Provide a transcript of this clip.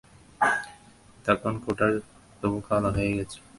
তখন কুঠারটা তবু কালো হয়ে গেছে।